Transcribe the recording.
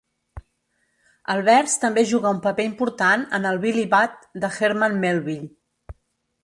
El vers també juga un paper important en el "Billy Budd" de Herman Melville.